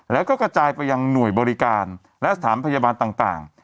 แล้วก็กระจายไปยังหน่วยบริการและสถานพยาบาลต่าง